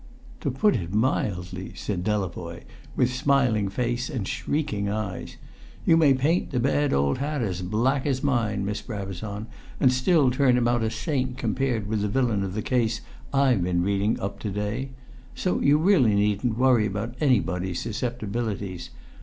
"To put it mildly," said Delavoye, with smiling face and shrieking eyes. "You may paint the bad old hat as black as mine, Miss Brabazon, and still turn him out a saint compared with the villain of the case I've been reading up to day. So you really needn't worry about anybody's susceptibilities.